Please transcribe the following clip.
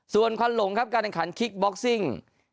ส่วนควันหลงครับการแข่งขันคิกบ็อกซิ่ง